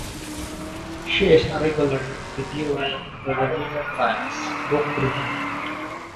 She is a regular reviewer for the New York Times Book Review.